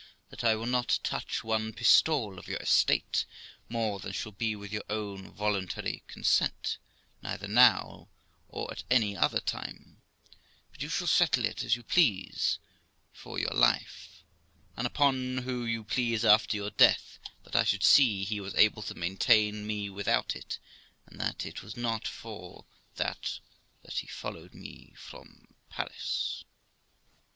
that I will not touch one pistole 280 THE LIFE OF ROXANA of your estate more than shall be with your own voluntary consent, neither now, or at any other time, but you shall settle it as you please for your life, and upon who you please after your death '; that I should see he was able to maintain me without it, and that it was not for that that he followed me from Paris.